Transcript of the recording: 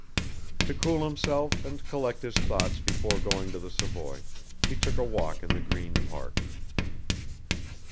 To cool himself and collect his thoughts before going to the Savoy, he took a walk in the Green Park.